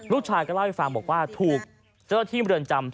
ลูกชายก็เล่าให้ฟังบอกว่าถูกเจ้าหน้าที่เมืองจำ